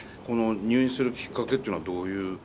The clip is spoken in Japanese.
この入院するきっかけというのはどういう？